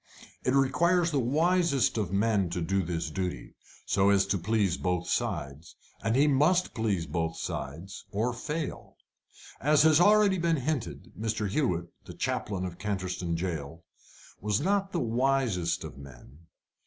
It requires the wisest of men to do his duty, so as to please both sides; and he must please both sides or fail. As has already been hinted, Mr. Hewett, the Chaplain of Canterstone Jail, was not the wisest of men.